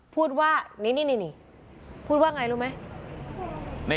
พูดว่านี่พูดว่าอย่างไรรู้ไหม